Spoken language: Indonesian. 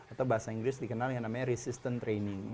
atau bahasa inggris dikenal dengan namanya resistant training